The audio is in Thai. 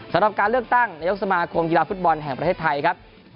สำหรับการเลือกตั้งนายกสมาคมกีฬาฟุตบอลแห่งประเทศไทยครับ